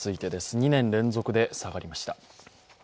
２年連続で下がりました。